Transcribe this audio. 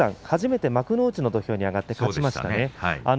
初めて幕内の土俵に上がって勝ちましたね。